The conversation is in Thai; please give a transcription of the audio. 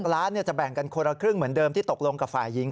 ล้านจะแบ่งกันคนละครึ่งเหมือนเดิมที่ตกลงกับฝ่ายหญิง